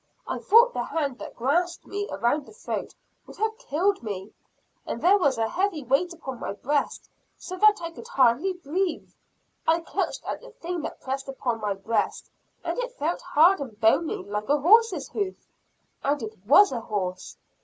I thought the hand that grasped me around the throat would have killed me and there was a heavy weight upon my breast, so that I could hardly breathe. I clutched at the thing that pressed upon my breast, and it felt hard and bony like a horse's hoof and it was a horse.